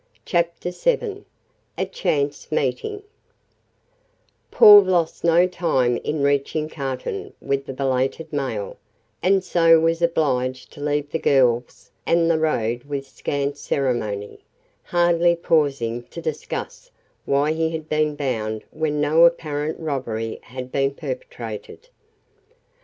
CHAPTER VII A CHANCE MEETING Paul lost no time in reaching Cartown with the belated mail, and so was obliged to leave the girls an the road with scant ceremony, hardly pausing to discuss why he had been bound when no apparent robbery had been perpetrated.